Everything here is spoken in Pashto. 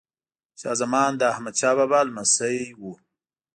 شاه زمان د احمد شاه بابا لمسی وه.